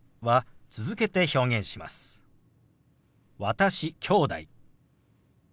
「私」「きょうだい」。